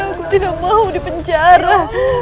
aku tidak mau di penjara